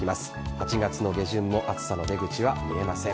８月の下旬も暑さの出口は見えません。